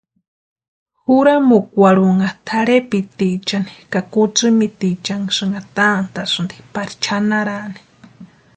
Juramukwarhunha tʼarhepitiechani ka kutsïmitiechaniksï tantasïnti pari chʼanarani.